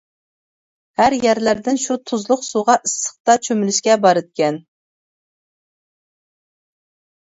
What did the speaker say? ھەر يەرلەردىن شۇ تۇزلۇق سۇغا ئىسسىقتا چۆمۈلۈشكە بارىدىكەن.